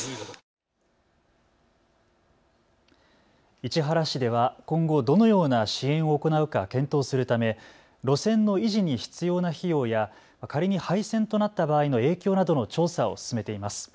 市原市では今後、どのような支援を行うか検討するため路線の維持に必要な費用や仮に廃線となった場合の影響などの調査を進めています。